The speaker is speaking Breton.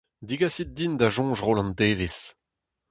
Degasit din da soñj roll an devezh !